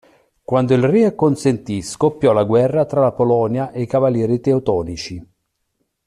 Quando il re acconsentì, scoppiò la guerra tra la Polonia e i cavalieri teutonici.